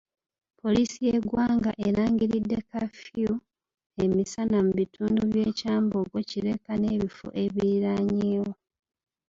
Poliisi y'eggwanga erangiriddde kafyu emisana mu bitundu by'e Kyambogo, Kireka n'ebifo ebiriraanyeewo